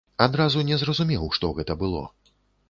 Адразу не зразумеў, што гэта было.